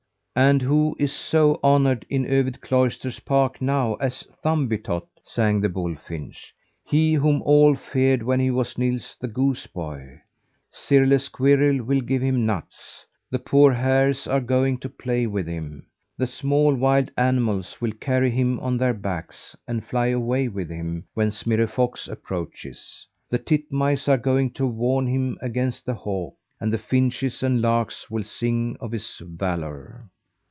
"And who is so honoured in Övid Cloister park now, as Thumbietot!" sang the bullfinch; "he, whom all feared when he was Nils the goose boy? Sirle Squirrel will give him nuts; the poor hares are going to play with him; the small wild animals will carry him on their backs, and fly away with him when Smirre Fox approaches. The titmice are going to warn him against the hawk, and the finches and larks will sing of his valour."